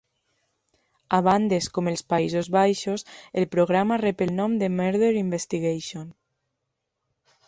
A bandes com els Països Baixos, el programa rep el nom de "Murder Investigation".